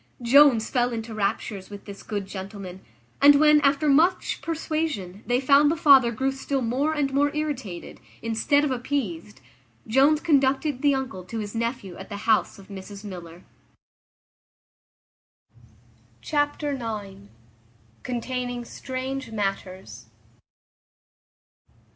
Jones fell into raptures with this good gentleman; and when, after much persuasion, they found the father grew still more and more irritated, instead of appeased, Jones conducted the uncle to his nephew at the house of Mrs Miller. Chapter ix. Containing strange matters.